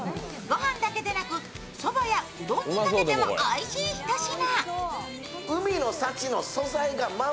ご飯だけでなく、そばやうどんにかけてもおいしいひと品。